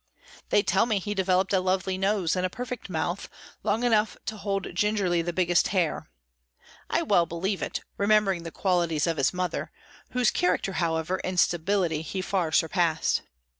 They tell me he developed a lovely nose and perfect mouth, large enough to hold gingerly the biggest hare. I well believe it, remembering the qualities of his mother, whose character, however, in stability he far surpassed.